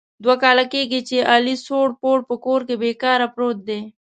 دوه کال کېږي چې علي سوړ پوړ په کور کې بې کاره پروت دی.